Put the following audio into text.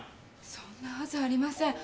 そんなはずありません。